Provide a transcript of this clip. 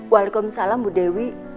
waalaikumsalam bu dewi